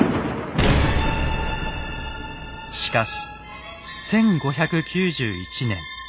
しかし１５９１年。